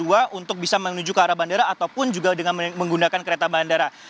untuk bisa menuju ke arah bandara ataupun juga dengan menggunakan kereta bandara